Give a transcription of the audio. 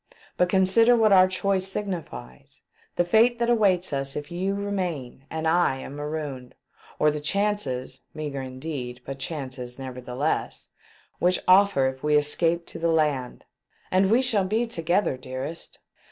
But consider what our choice signifies ; the fate that awaits us if you remain and 1 am marooned ; or the chances — meagre indeed, but chances, never theless— which offer if we escape to the land. And we shall be together, dearest